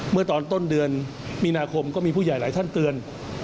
เมื่อตอนต้นเดือนมีนาคมก็มีผู้ใหญ่หลายท่านเตือน